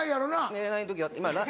寝れない時があって。